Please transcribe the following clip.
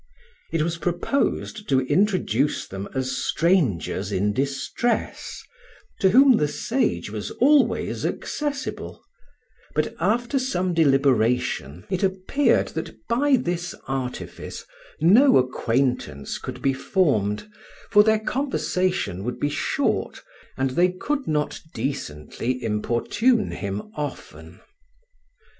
It was proposed to introduce them as strangers in distress, to whom the sage was always accessible; but after some deliberation it appeared that by this artifice no acquaintance could be formed, for their conversation would be short, and they could not decently importune him often.